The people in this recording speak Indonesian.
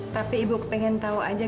tapi ibu pengen tahu aja